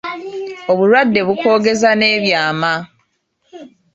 Obulwadde bukwogeza n’ebyama.